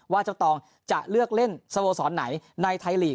เจ้าตองจะเลือกเล่นสโมสรไหนในไทยลีก